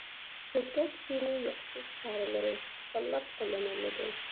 كۆكرەك سۈيىنى يوقىتىش چارىلىرى تاللاپ قوللىنىلىدۇ.